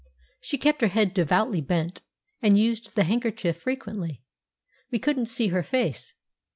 She kept her head devoutly bent, and used the handkerchief frequently; we couldn't see her face.